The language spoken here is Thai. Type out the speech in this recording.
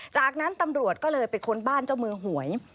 จากนั้นตำรวจก็เลยไปค้นบ้านเจ้ามือหวย